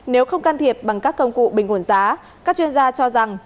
nếu không can thiệp bằng các công cụ bình ổn giá các chuyên gia cho rằng